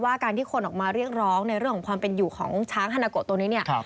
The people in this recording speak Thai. การที่คนออกมาเรียกร้องในเรื่องของความเป็นอยู่ของช้างฮานาโกะตัวนี้เนี่ย